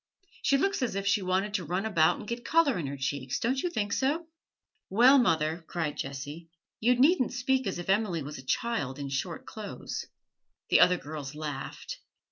She looks as if she wanted to run about and get colour in her cheeks, don't you think so?' 'Well, mother,' cried Jessie, 'you needn't speak as if Emily was a child in short clothes.' The other girls laughed.